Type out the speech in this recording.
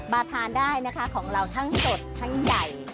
มาทานได้นะคะของเราทั้งสดทั้งใหญ่